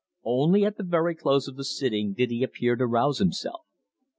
Only at the very close of the sitting did he appear to rouse himself.